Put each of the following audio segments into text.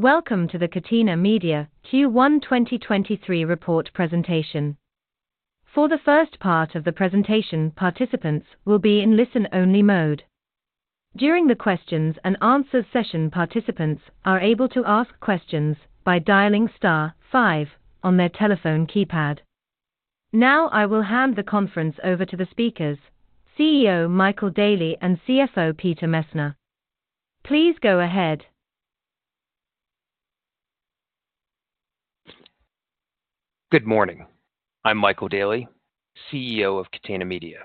Welcome to the Catena Media Q1 2023 report presentation. For the first part of the presentation, participants will be in listen-only mode. During the questions and answers session, participants are able to ask questions by dialing star five on their telephone keypad. I will hand the conference over to the speakers, CEO Michael Daly and CFO Peter Messner. Please go ahead. Good morning. I'm Michael Daly, CEO of Catena Media.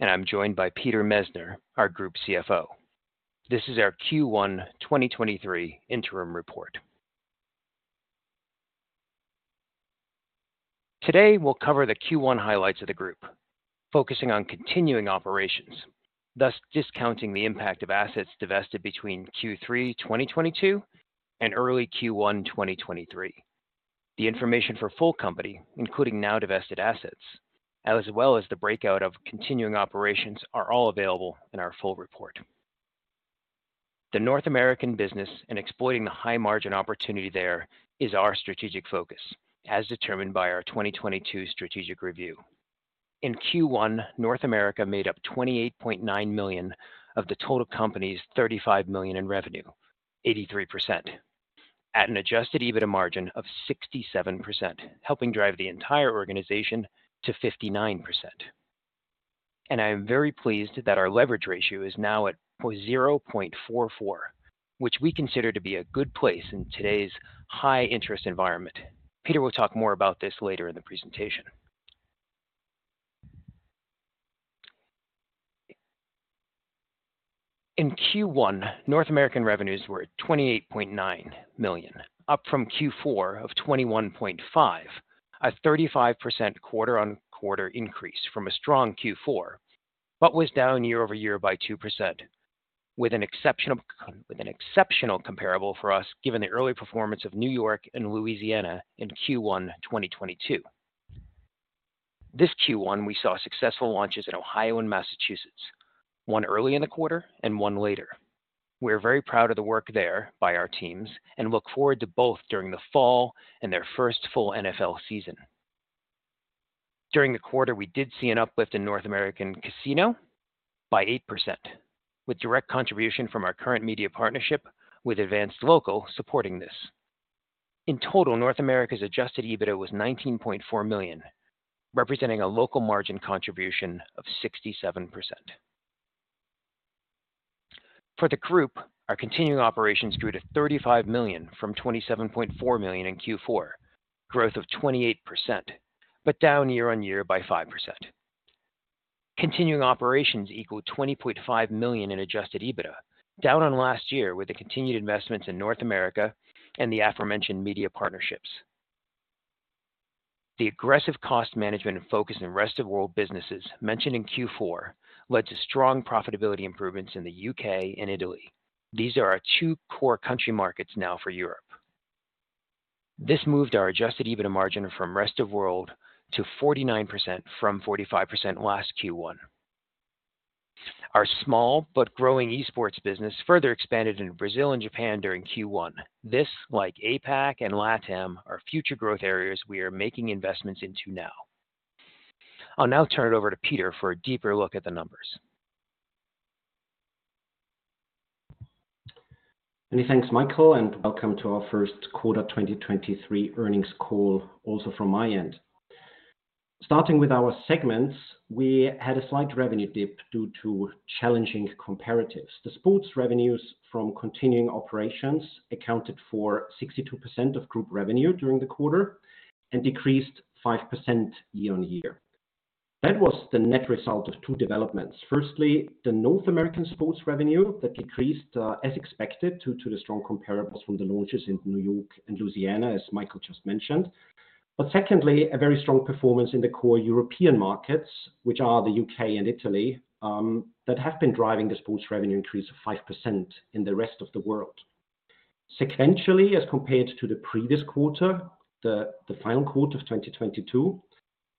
I'm joined by Peter Messner, our group CFO. This is our Q1 2023 interim report. Today, we'll cover the Q1 highlights of the group, focusing on continuing operations, thus discounting the impact of assets divested between Q3 2022 and early Q1 2023. The information for full company, including now divested assets, as well as the breakout of continuing operations, are all available in our full report. The North American business and exploiting the high-margin opportunity there is our strategic focus, as determined by our 2022 strategic review. In Q1, North America made up 28.9 million of the total company's 35 million in revenue, 83%, at an adjusted EBITDA margin of 67%, helping drive the entire organization to 59%. I am very pleased that our leverage ratio is now at 0.44, which we consider to be a good place in today's high-interest environment. Peter will talk more about this later in the presentation. In Q1, North American revenues were at 28.9 million, up from Q4 of 21.5 million, a 35% quarter-on-quarter increase from a strong Q4, but was down year-over-year by 2% with an exceptional comparable for us given the early performance of New York and Louisiana in Q1 2022. This Q1, we saw successful launches in Ohio and Massachusetts, one early in the quarter and one later. We are very proud of the work there by our teams and look forward to both during the fall and their first full NFL season. During the quarter, we did see an uplift in North American casino by 8%, with direct contribution from our current media partnership with Advance Local supporting this. In total, North America's adjusted EBITDA was 19.4 million, representing a local margin contribution of 67%. For the group, our continuing operations grew to 35 million from 27.4 million in Q4, growth of 28%, but down year-on-year by 5%. Continuing operations equaled 20.5 million in adjusted EBITDA, down on last year with the continued investments in North America and the aforementioned media partnerships. The aggressive cost management and focus in rest of world businesses mentioned in Q4 led to strong profitability improvements in the UK and Italy. These are our two core country markets now for Europe. This moved our adjusted EBITDA margin from rest of world to 49% from 45% last Q1. Our small but growing esports business further expanded in Brazil and Japan during Q1. This, like APAC and LATAM, are future growth areas we are making investments into now. I'll now turn it over to Peter for a deeper look at the numbers. Many thanks, Michael, welcome to our Q1 2023 earnings call also from my end. Starting with our segments, we had a slight revenue dip due to challenging comparatives. The sports revenues from continuing operations accounted for 62% of group revenue during the quarter and decreased 5% year-on-year. That was the net result of two developments. Firstly, the North American sports revenue that decreased as expected due to the strong comparables from the launches in New York and Louisiana, as Michael just mentioned. Secondly, a very strong performance in the core European markets, which are the U.K. and Italy, that have been driving the sports revenue increase of 5% in the rest of the world. Sequentially, as compared to the previous quarter, the final quarter of 2022,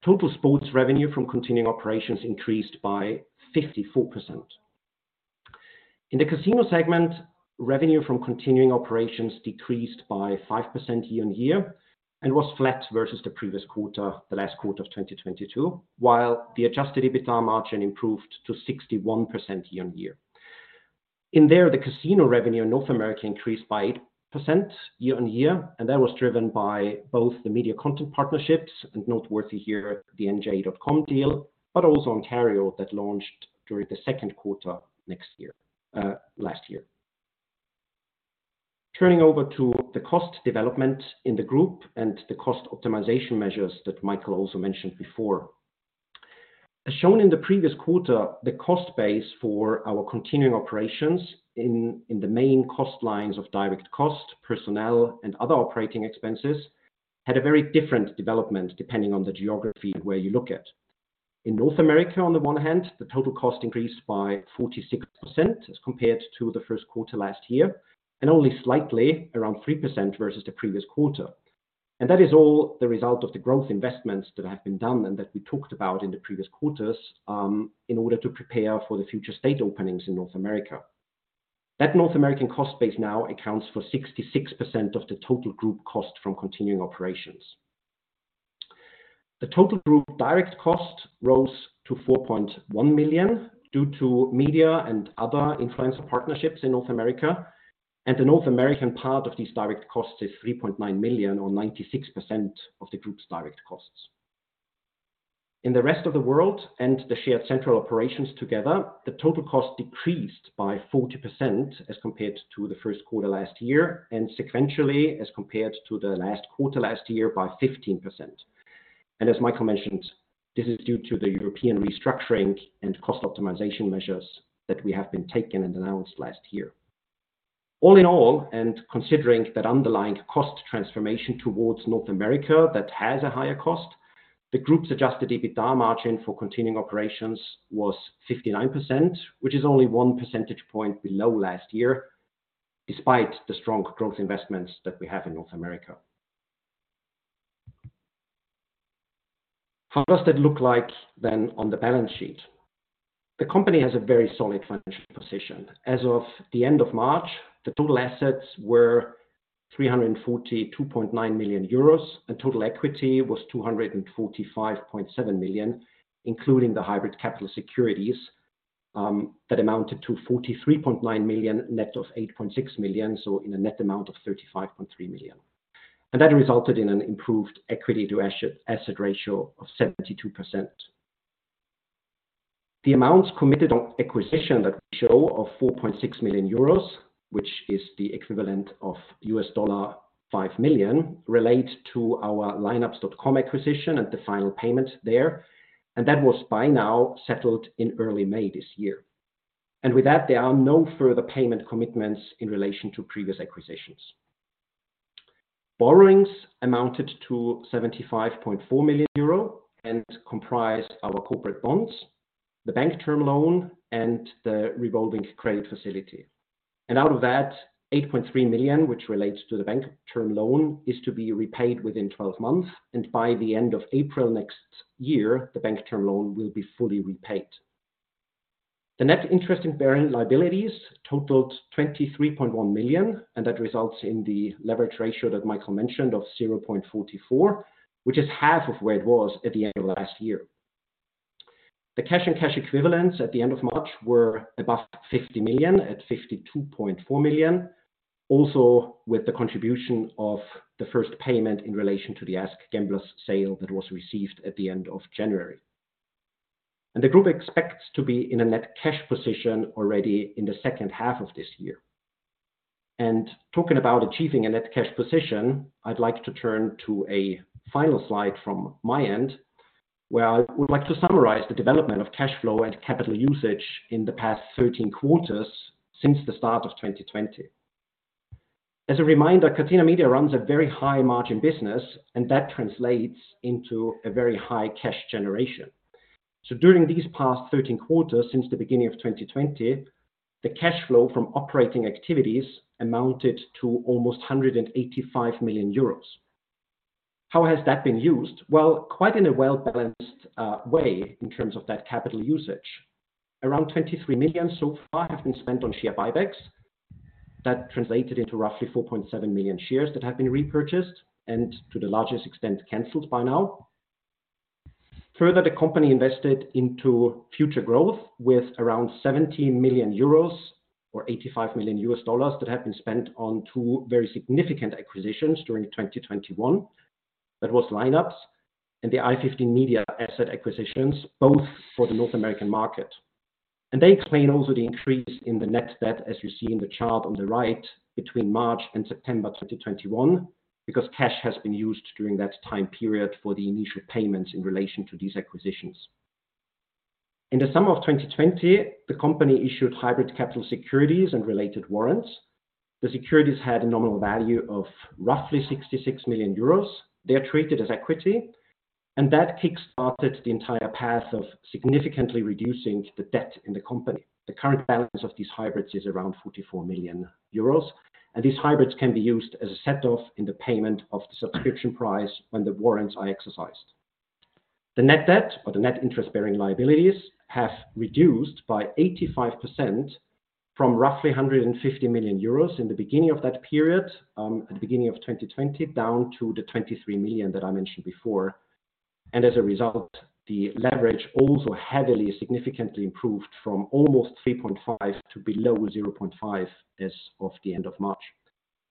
total sports revenue from continuing operations increased by 54%. In the casino segment, revenue from continuing operations decreased by 5% year-on-year and was flat versus the previous quarter, the last quarter of 2022, while the adjusted EBITDA margin improved to 61% year-on-year. In there, the casino revenue in North America increased by 8% year-on-year, and that was driven by both the media content partnerships and noteworthy here, the NJ.com deal, but also Ontario that launched during the Q2 last year. Turning over to the cost development in the group and the cost optimization measures that Michael also mentioned before. As shown in the previous quarter, the cost base for our continuing operations in the main cost lines of direct cost, personnel, and other operating expenses had a very different development depending on the geography where you look at. In North America, on the one hand, the total cost increased by 46% as compared to the Q1 last year, and only slightly around 3% versus the previous quarter. That is all the result of the growth investments that have been done and that we talked about in the previous quarters, in order to prepare for the future state openings in North America. That North American cost base now accounts for 66% of the total group cost from continuing operations. The total group direct cost rose to 4.1 million due to media and other influencer partnerships in North America. The North American part of these direct costs is 3.9 million, or 96% of the group's direct costs. In the rest of the world and the shared central operations together, the total cost decreased by 40% as compared to the Q1 last year, and sequentially, as compared to the last quarter last year by 15%. As Michael mentioned, this is due to the European restructuring and cost optimization measures that we have been taking and announced last year. All in all, and considering that underlying cost transformation towards North America that has a higher cost, the group's adjusted EBITDA margin for continuing operations was 59%, which is only one percentage point below last year, despite the strong growth investments that we have in North America. How does that look like on the balance sheet? The company has a very solid financial position. As of the end of March, the total assets were 342.9 million euros, and total equity was 245.7 million, including the hybrid capital securities, that amounted to 43.9 million, net of 8.6 million, so in a net amount of 35.3 million. That resulted in an improved equity to asset ratio of 72%. The amounts committed on acquisition that we show of 4.6 million euros, which is the equivalent of $5 million, relate to our Lineups.com acquisition and the final payment there. That was by now settled in early May this year. With that, there are no further payment commitments in relation to previous acquisitions. Borrowings amounted to 75.4 million euro and comprised our corporate bonds, the bank term loan, and the revolving credit facility. Out of that, 8.3 million, which relates to the bank term loan, is to be repaid within 12 months. By the end of April next year, the bank term loan will be fully repaid. The net interest-bearing liabilities totaled 23.1 million, that results in the leverage ratio that Michael mentioned of 0.44, which is half of where it was at the end of last year. The cash and cash equivalents at the end of March were above 50 million, at 52.4 million, also with the contribution of the first payment in relation to the AskGamblers sale that was received at the end of January. The group expects to be in a net cash position already in the H2 of this year. Talking about achieving a net cash position, I'd like to turn to a final slide from my end, where I would like to summarize the development of cash flow and capital usage in the past 13 quarters since the start of 2020. As a reminder, Catena Media runs a very high-margin business, and that translates into a very high cash generation. During these past 13 quarters since the beginning of 2020, the cash flow from operating activities amounted to almost 185 million euros. How has that been used? Well, quite in a well-balanced way in terms of that capital usage. Around 23 million so far have been spent on share buybacks. That translated into roughly 4.7 million shares that have been repurchased and to the largest extent, canceled by now. Further, the company invested into future growth with around 17 million euros or $85 million that have been spent on two very significant acquisitions during 2021. That was Lineups and the i15 Media asset acquisitions, both for the North American market. They explain also the increase in the net debt, as you see in the chart on the right, between March and September 2021, because cash has been used during that time period for the initial payments in relation to these acquisitions. In the summer of 2020, the company issued hybrid capital securities and related warrants. The securities had a nominal value of roughly 66 million euros. They are treated as equity, and that kickstarted the entire path of significantly reducing the debt in the company. The current balance of these hybrids is around 44 million euros, and these hybrids can be used as a set off in the payment of the subscription price when the warrants are exercised. The net debt or the net interest-bearing liabilities have reduced by 85% from roughly 150 million euros in the beginning of that period, at the beginning of 2020, down to the 23 million that I mentioned before. As a result, the leverage also heavily, significantly improved from almost 3.5 to below 0.5 as of the end of March.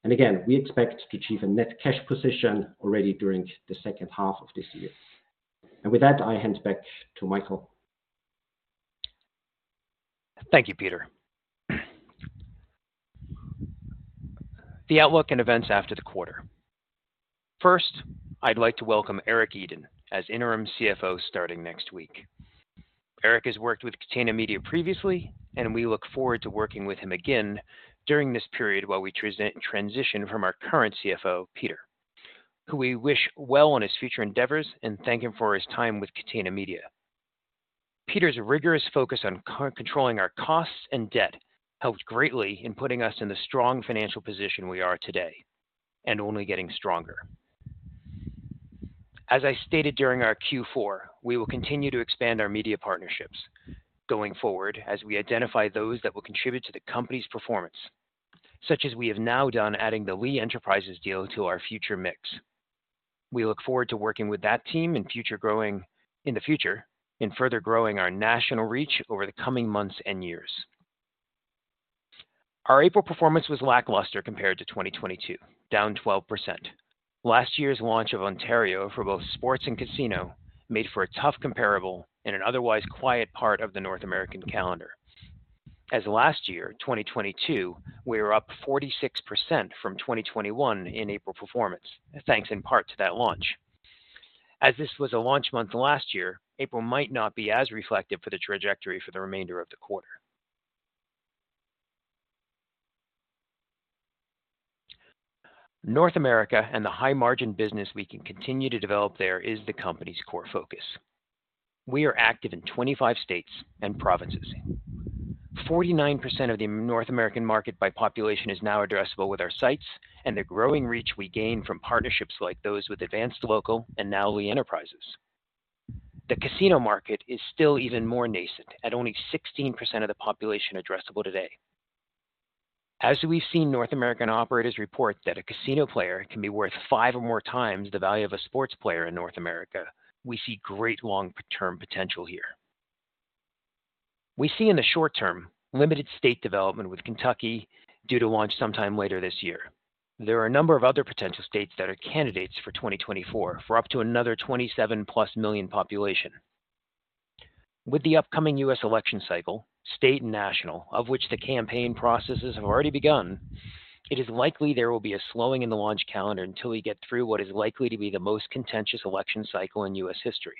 Again, we expect to achieve a net cash position already during the H2 of this year. With that, I hand back to Michael. Thank you, Peter. The outlook and events after the quarter. First, I'd like to welcome Erik Edeen as interim CFO starting next week. Erik has worked with Catena Media previously, and we look forward to working with him again during this period while we transition from our current CFO, Peter, who we wish well on his future endeavors and thank him for his time with Catena Media. Peter's rigorous focus on controlling our costs and debt helped greatly in putting us in the strong financial position we are today, and only getting stronger. As I stated during our Q4, we will continue to expand our media partnerships going forward as we identify those that will contribute to the company's performance, such as we have now done adding the Lee Enterprises deal to our future mix. We look forward to working with that team in the future in further growing our national reach over the coming months and years. Our April performance was lackluster compared to 2022, down 12%. Last year's launch of Ontario for both sports and casino made for a tough comparable in an otherwise quiet part of the North American calendar. Last year, 2022, we were up 46% from 2021 in April performance, thanks in part to that launch. This was a launch month last year, April might not be as reflective for the trajectory for the remainder of the quarter. North America and the high margin business we can continue to develop there is the company's core focus. We are active in 25 states and provinces. 49% of the North American market by population is now addressable with our sites and the growing reach we gain from partnerships like those with Advance Local and now Lee Enterprises. The casino market is still even more nascent at only 16% of the population addressable today. As we've seen North American operators report that a casino player can be worth five or more times the value of a sports player in North America, we see great long term potential here. We see in the short term limited state development with Kentucky due to launch sometime later this year. There are a number of other potential states that are candidates for 2024 for up to another 27+ million population. With the upcoming U.S. election cycle, state and national, of which the campaign processes have already begun, it is likely there will be a slowing in the launch calendar until we get through what is likely to be the most contentious election cycle in U.S. history.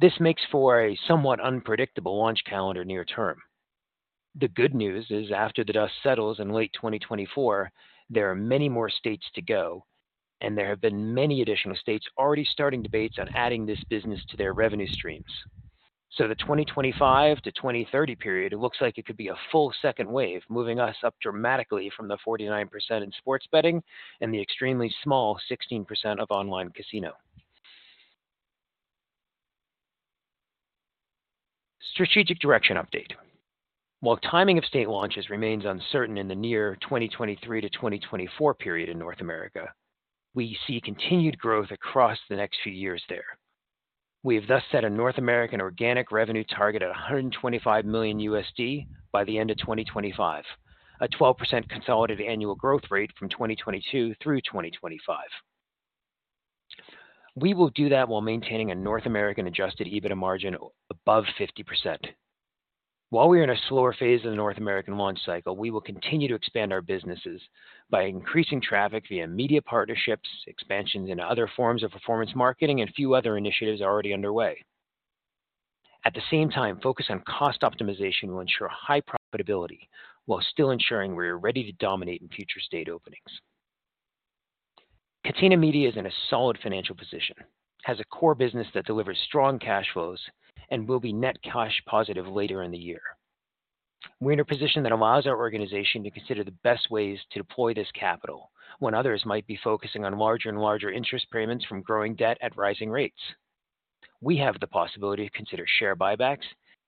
This makes for a somewhat unpredictable launch calendar near term. The good news is, after the dust settles in late 2024, there are many more states to go, and there have been many additional states already starting debates on adding this business to their revenue streams. The 2025-2030 period, it looks like it could be a full second wave, moving us up dramatically from the 49% in sports betting and the extremely small 16% of online casino. Strategic direction update. While timing of state launches remains uncertain in the near 2023-2024 period in North America, we see continued growth across the next few years there. We have thus set a North American organic revenue target at $125 million by the end of 2025, a 12% consolidated annual growth rate from 2022 through 2025. We will do that while maintaining a North American adjusted EBITDA margin above 50%. While we are in a slower phase of the North American launch cycle, we will continue to expand our businesses by increasing traffic via media partnerships, expansions into other forms of performance marketing, and a few other initiatives already underway. At the same time, focus on cost optimization will ensure high profitability while still ensuring we are ready to dominate in future state openings. Catena Media is in a solid financial position, has a core business that delivers strong cash flows, and will be net cash positive later in the year. We're in a position that allows our organization to consider the best ways to deploy this capital when others might be focusing on larger and larger interest payments from growing debt at rising rates. We have the possibility to consider share buybacks,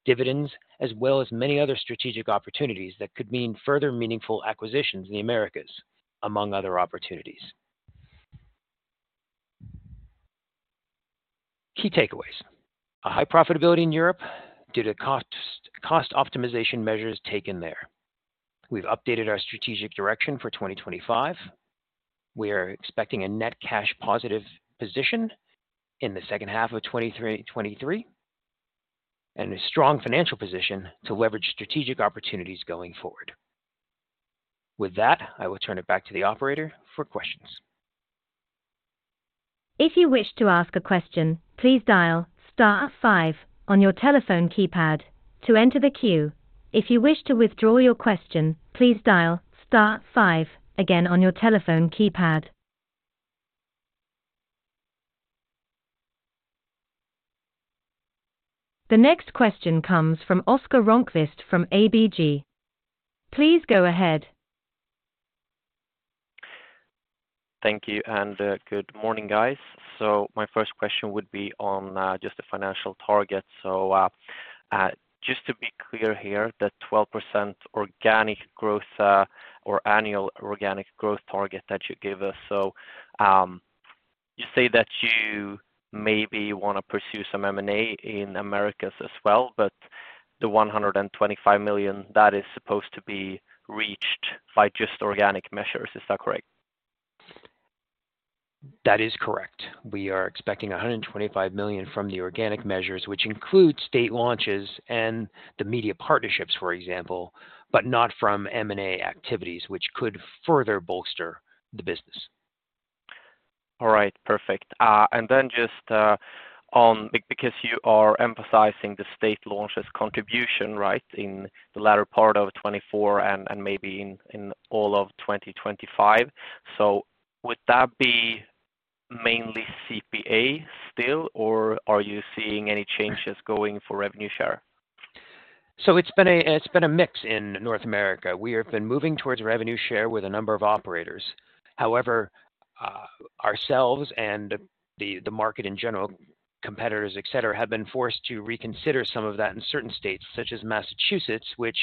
dividends, as well as many other strategic opportunities that could mean further meaningful acquisitions in the Americas, among other opportunities. Key takeaways. A high profitability in Europe due to cost optimization measures taken there. We've updated our strategic direction for 2025. We are expecting a net cash positive position in the H2 of 2023 and a strong financial position to leverage strategic opportunities going forward. With that, I will turn it back to the operator for questions. If you wish to ask a question, please dial star five on your telephone keypad to enter the queue. If you wish to withdraw your question, please dial star five again on your telephone keypad. The next question comes from Oscar Rönnquist from ABG. Please go ahead. Thank you. Good morning, guys. My first question would be on just the financial target. Just to be clear here, the 12% organic growth or annual organic growth target that you gave us. You say that you maybe wanna pursue some M&A in Americas as well, but the 125 million, that is supposed to be reached by just organic measures. Is that correct? That is correct. We are expecting 125 million from the organic measures, which include state launches and the media partnerships, for example, but not from M&A activities which could further bolster the business. All right. Perfect. Then just because you are emphasizing the state launch's contribution, right? In the latter part of 2024 and maybe in all of 2025. Would that mainly CPA still, or are you seeing any changes going for revenue share? It's been a mix in North America. We have been moving towards revenue share with a number of operators. However, ourselves and the market in general, competitors, et cetera, have been forced to reconsider some of that in certain states, such as Massachusetts, which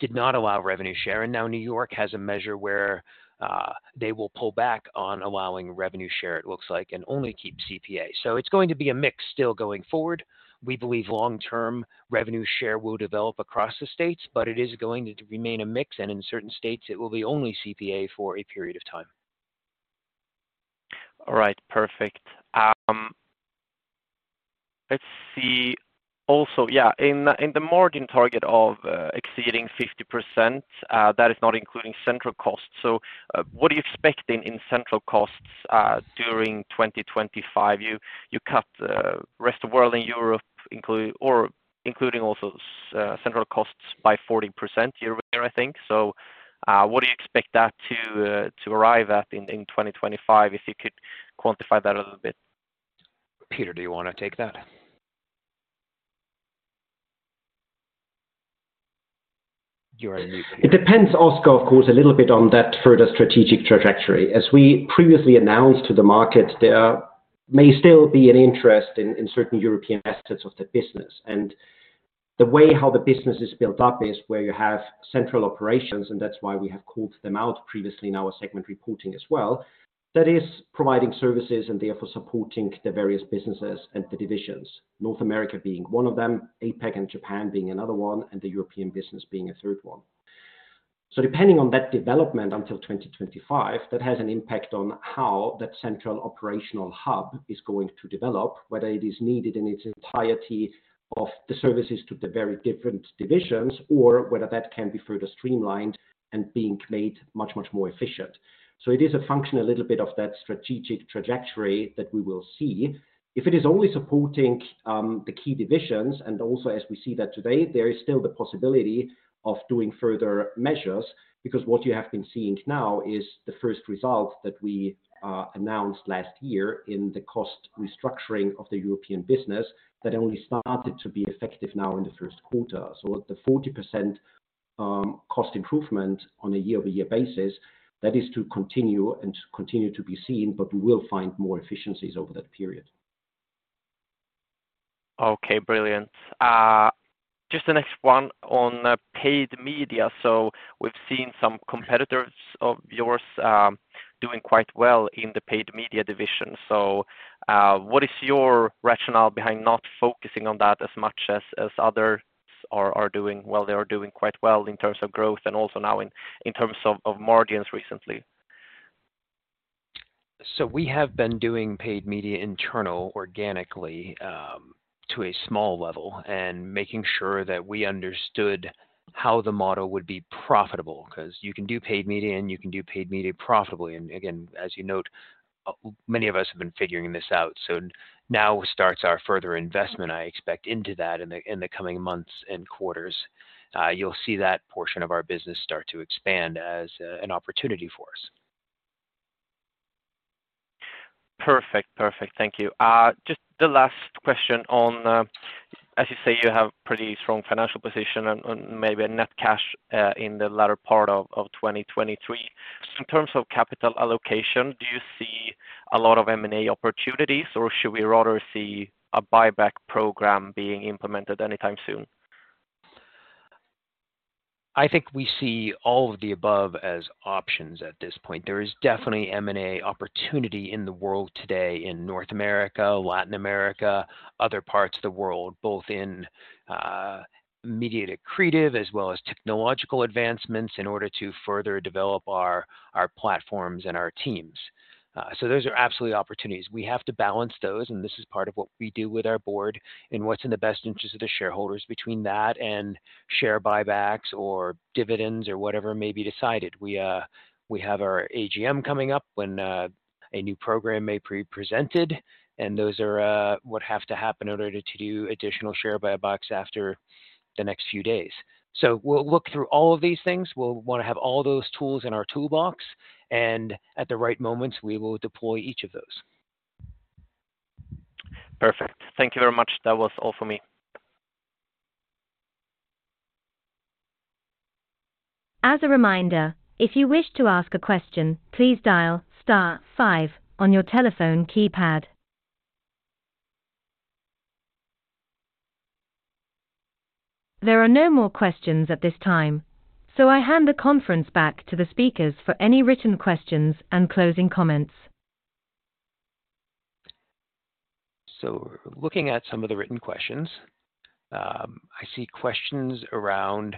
did not allow revenue share. Now New York has a measure where they will pull back on allowing revenue share, it looks like, and only keep CPA. It's going to be a mix still going forward. We believe long-term revenue share will develop across the states, but it is going to remain a mix, and in certain states it will be only CPA for a period of time. All right. Perfect. Let's see. Also, yeah, in the margin target of exceeding 50%, that is not including central cost. What are you expecting in central costs during 2025? You, you cut the rest of world and Europe including also central costs by 40% year-over-year I think. What do you expect that to arrive at in 2025, if you could quantify that a little bit? Peter, do you wanna take that? You're our new Peter. It depends, Oscar, of course, a little bit on that further strategic trajectory. As we previously announced to the market, there may still be an interest in certain European assets of the business. The way how the business is built up is where you have central operations, and that's why we have called them out previously in our segment reporting as well. That is providing services and therefore supporting the various businesses and the divisions, North America being one of them, APAC and Japan being another one, and the European business being a third one. Depending on that development until 2025, that has an impact on how that central operational hub is going to develop, whether it is needed in its entirety of the services to the very different divisions or whether that can be further streamlined and being made much more efficient. It is a function a little bit of that strategic trajectory that we will see. If it is only supporting the key divisions, and also as we see that today, there is still the possibility of doing further measures. What you have been seeing now is the first result that we announced last year in the cost restructuring of the European business that only started to be effective now in the Q1. The 40% cost improvement on a year-over-year basis, that is to continue and continue to be seen, but we will find more efficiencies over that period. Okay, brilliant. Just the next one on paid media. We've seen some competitors of yours, doing quite well in the paid media division. What is your rationale behind not focusing on that as much as others are doing? They are doing quite well in terms of growth and also now in terms of margins recently. We have been doing paid media internal organically, to a small level and making sure that we understood how the model would be profitable. 'Cause you can do paid media, and you can do paid media profitably. Again, as you note, many of us have been figuring this out. Now starts our further investment, I expect, into that in the coming months and quarters. You'll see that portion of our business start to expand as an opportunity for us. Perfect. Perfect. Thank you. just the last question on, as you say, you have pretty strong financial position and maybe a net cash, in the latter part of 2023. In terms of capital allocation, do you see a lot of M&A opportunities, or should we rather see a buyback program being implemented anytime soon? I think we see all of the above as options at this point. There is definitely M&A opportunity in the world today in North America, Latin America, other parts of the world, both in media creative as well as technological advancements in order to further develop our platforms and our teams. Those are absolutely opportunities. We have to balance those, and this is part of what we do with our board and what's in the best interest of the shareholders between that and share buybacks or dividends or whatever may be decided. We have our AGM coming up when a new program may pre-presented, and those are what have to happen in order to do additional share buybacks after the next few days. We'll look through all of these things. We'll wanna have all those tools in our toolbox, and at the right moments, we will deploy each of those. Perfect. Thank you very much. That was all for me. As a reminder, if you wish to ask a question, please dial star five on your telephone keypad. There are no more questions at this time, I hand the conference back to the speakers for any written questions and closing comments. Looking at some of the written questions, I see questions around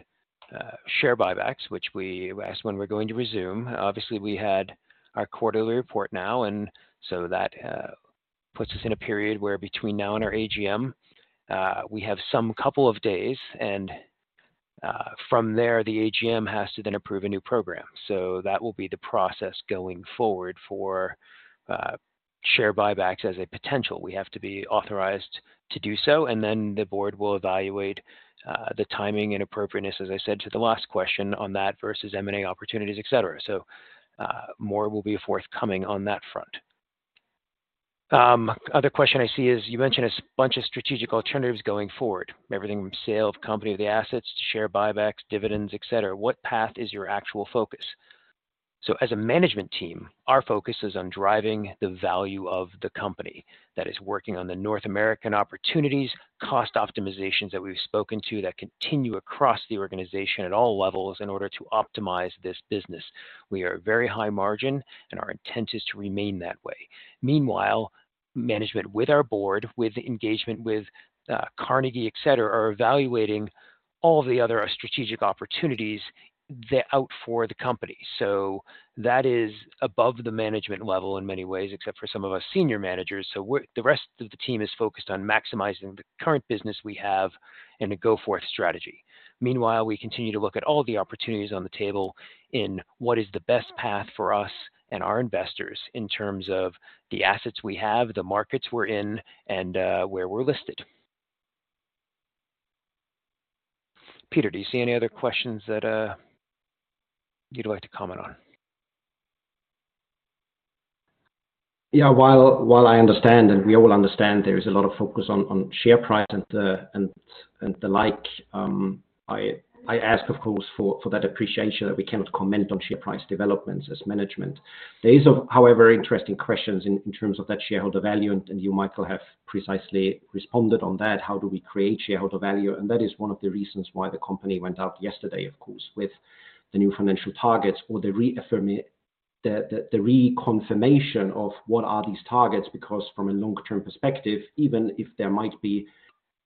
share buybacks, which we asked when we're going to resume. Obviously, we had our quarterly report now. That puts us in a period where between now and our AGM, we have some couple of days. From there, the AGM has to then approve a new program. That will be the process going forward for share buybacks as a potential. We have to be authorized to do so, and then the board will evaluate the timing and appropriateness, as I said to the last question, on that versus M&A opportunities, et cetera. More will be forthcoming on that front. Other question I see is, you mentioned a bunch of strategic alternatives going forward, everything from sale of company, the assets to share buybacks, dividends, et cetera. What path is your actual focus? As a management team, our focus is on driving the value of the company that is working on the North American opportunities, cost optimizations that we've spoken to that continue across the organization at all levels in order to optimize this business. We are very high margin, and our intent is to remain that way. Meanwhile, management with our board, with engagement with Carnegie, et cetera, are evaluating all the other strategic opportunities out for the company. That is above the management level in many ways, except for some of our senior managers. The rest of the team is focused on maximizing the current business we have in a go forth strategy. Meanwhile, we continue to look at all the opportunities on the table in what is the best path for us and our investors in terms of the assets we have, the markets we're in, and where we're listed. Peter, do you see any other questions that you'd like to comment on? While I understand, and we all understand there is a lot of focus on share price and the like, I ask, of course, for that appreciation that we cannot comment on share price developments as management. However, interesting questions in terms of that shareholder value, and you, Michael, have precisely responded on that. How do we create shareholder value? That is one of the reasons why the company went out yesterday, of course, with the new financial targets or the reconfirmation of what are these targets. From a long-term perspective, even if there might be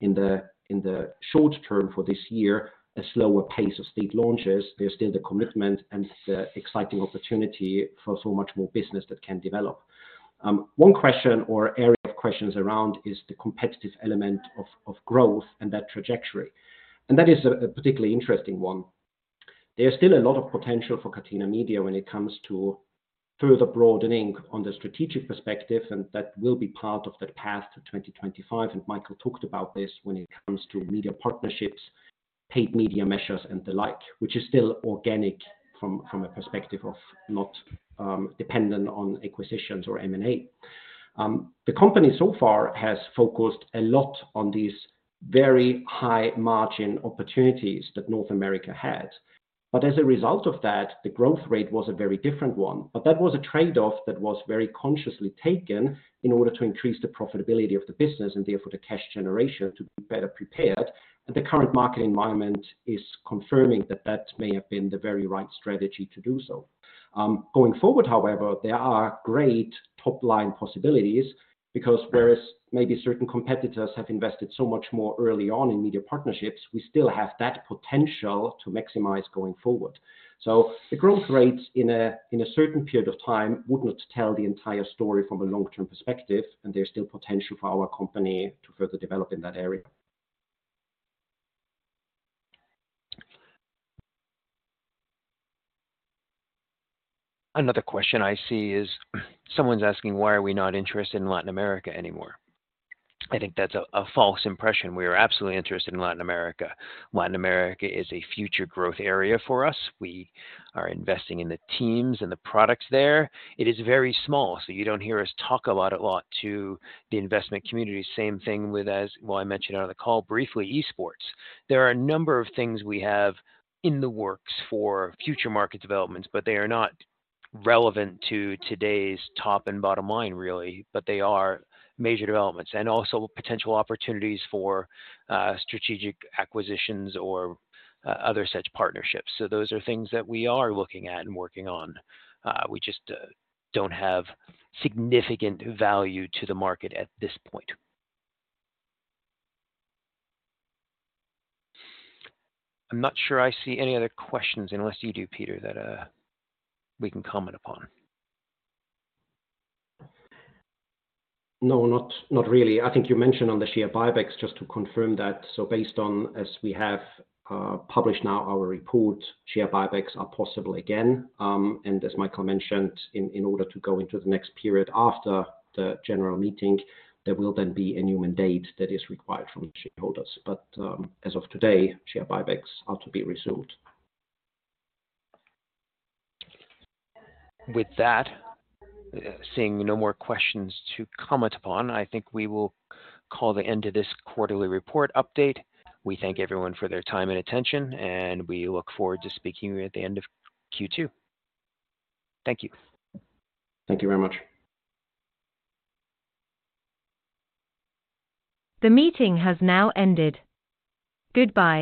in the short term for this year, a slower pace of steep launches, there's still the commitment and the exciting opportunity for so much more business that can develop. One question or area of questions around is the competitive element of growth and that trajectory. That is a particularly interesting one. There's still a lot of potential for Catena Media when it comes to further broadening on the strategic perspective, and that will be part of the path to 2025, and Michael talked about this when it comes to media partnerships, paid media measures and the like, which is still organic from a perspective of not dependent on acquisitions or M&A. The company so far has focused a lot on these very high margin opportunities that North America had. As a result of that, the growth rate was a very different one. That was a trade-off that was very consciously taken in order to increase the profitability of the business and therefore the cash generation to be better prepared. The current market environment is confirming that that may have been the very right strategy to do so. Going forward, however, there are great top-line possibilities because whereas maybe certain competitors have invested so much more early on in media partnerships, we still have that potential to maximize going forward. The growth rates in a certain period of time would not tell the entire story from a long-term perspective, and there's still potential for our company to further develop in that area. Another question I see is someone's asking why are we not interested in Latin America anymore? I think that's a false impression. We are absolutely interested in Latin America. Latin America is a future growth area for us. We are investing in the teams and the products there. It is very small, so you don't hear us talk a lot to the investment community. Same thing with, as well, I mentioned on the call briefly, esports. There are a number of things we have in the works for future market developments, but they are not relevant to today's top and bottom line, really, but they are major developments and also potential opportunities for strategic acquisitions or other such partnerships. Those are things that we are looking at and working on. We just don't have significant value to the market at this point. I'm not sure I see any other questions unless you do, Peter, that, we can comment upon. No, not really. I think you mentioned on the share buybacks just to confirm that. Based on, as we have published now our report, share buybacks are possible again. As Michael mentioned, in order to go into the next period after the general meeting, there will then be a new mandate that is required from shareholders. As of today, share buybacks are to be resumed. With that, seeing no more questions to comment upon, I think we will call the end to this quarterly report update. We thank everyone for their time and attention, and we look forward to speaking with you at the end of Q2. Thank you. Thank you very much. The meeting has now ended. Goodbye.